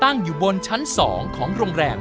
ตั้งอยู่บนชั้น๒ของโรงแรม